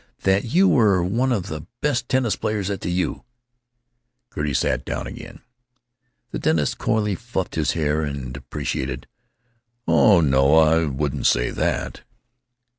"that you were one of the best tennis players at the U." Gertie sat down again. The dentist coyly fluffed his hair and deprecated, "Oh no, I wouldn't say that!"